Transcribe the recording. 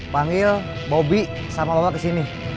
panggil bobby sama bapak kesini